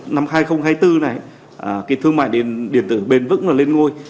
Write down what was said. năm hai nghìn hai mươi bốn này thương mại điện tử bền vững lên ngôi